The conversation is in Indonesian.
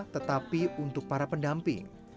tetapi untuk para pendamping